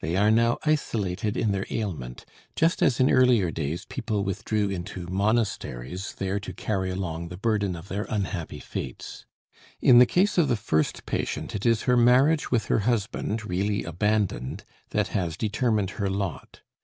They are now isolated in their ailment, just as in earlier days people withdrew into monasteries there to carry along the burden of their unhappy fates. In the case of the first patient, it is her marriage with her husband, really abandoned, that has determined her lot.